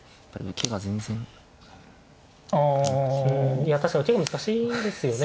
いや確かに受け難しいですよね。